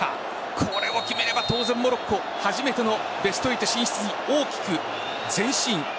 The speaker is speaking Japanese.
これを決めれば当然、モロッコ初めてのベスト８進出に大きく前進。